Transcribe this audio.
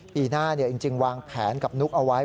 ปีหน้าจริงวางแผนกับนุ๊กเอาไว้